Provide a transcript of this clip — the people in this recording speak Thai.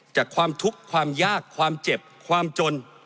จากความทุกข์ความยากความเจ็บความจน